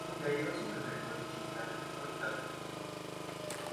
V důsledku složitých politických poměrů a občanské války často měnil působiště.